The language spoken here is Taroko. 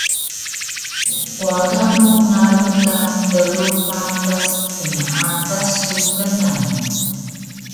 wada mu ngalun ka tru patas pneadas su knan